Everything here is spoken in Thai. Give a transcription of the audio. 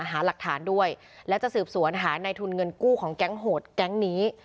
หาหลักฐานด้วยและจะสืบสวนหาในทุนเงินกู้ของแก๊งโหดแก๊งนี้